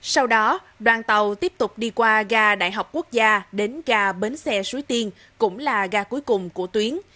sau đó đoàn tàu tiếp tục đi qua gà đại học quốc gia đến gà bến xe suối tiên cũng là gà cuối cùng của tuyến